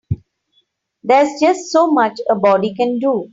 There's just so much a body can do.